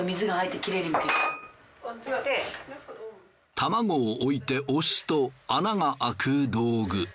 玉子を置いて押すと穴が開く道具。